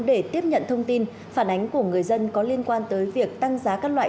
để tiếp nhận thông tin phản ánh của người dân có liên quan tới việc tăng giá các loại